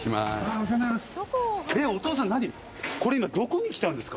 お世話になります。